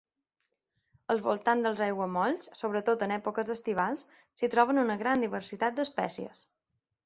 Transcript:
Als voltants dels aiguamolls, sobretot en èpoques estivals, s'hi troben una gran diversitat d'espècies.